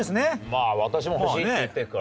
まあ私も欲しいって言ってるから。